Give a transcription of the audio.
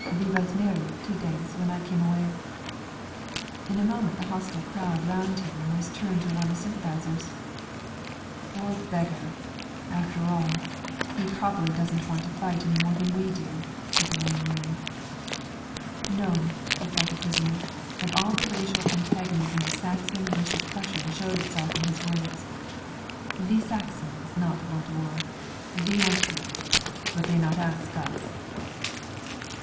Ve was married two days when I come away!" In a moment the hostile crowd round him was turned to one of sympathisers. "Poor beggar! After all, he probably doesn't want to fight any more than we do," said the lame man. [Illustration: A WARD IN THE SUGAR SHED CLEARING STATION] "No," replied the prisoner, and all the racial antagonism of Saxon versus Prussian showed itself in his words, "Ve Saxons not want war ve want peace but they not ask us!"